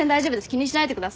気にしないでください。